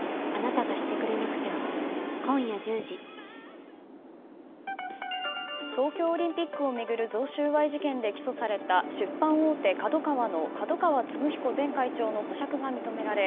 ハロー東京オリンピックを巡る贈収賄事件で起訴された出版大手ＫＡＤＯＫＡＷＡの角川歴彦前会長の保釈が認められ